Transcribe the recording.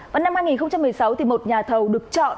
và năm hai nghìn một mươi sáu thì một nhà thầu được chọn